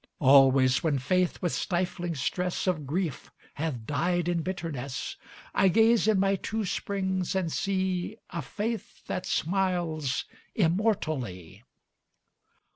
Always when Faith with stifling stress Of grief hath died in bitterness, I gaze in my two springs and see A Faith that smiles immortally.